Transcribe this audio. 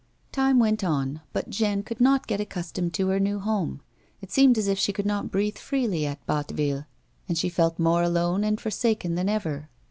Time went on but Jeanne could not get accustomed to her new home. It seemed as if she could not breathe freely at Batteville, and she felt more alone and forsaken than ever.